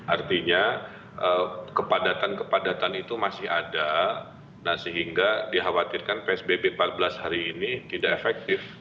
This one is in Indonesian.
artinya kepadatan kepadatan itu masih ada sehingga dikhawatirkan psbb empat belas hari ini tidak efektif